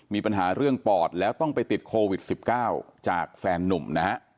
มีปัญหาเรื่องปอดแล้วต้องไปติดโควิด๑๙จากแฟนนุ่มนะฮะ